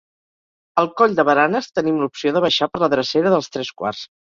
Al Coll de Baranes tenim l'opció de baixar per la drecera dels Tres Quarts.